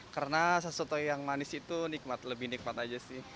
karena sesuatu yang manis itu lebih nikmat aja sih